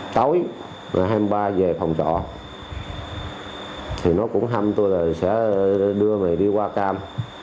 tối hai mươi ba h về phòng trọ thì nó cũng hâm tôi là sẽ đưa mày đi qua cam